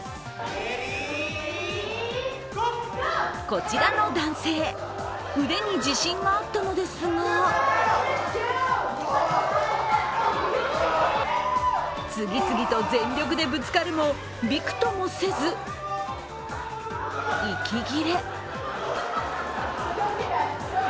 こちらの男性、腕に自信があったのですが次々と全力でぶつかるもびくともせず、息切れ。